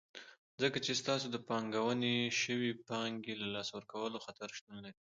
ځکه چې ستاسو د پانګونې شوي پانګې له لاسه ورکولو خطر شتون لري.